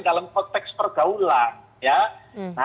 dalam konteks pergaulan